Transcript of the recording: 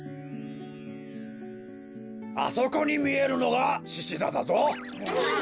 あそこにみえるのがししざだぞ！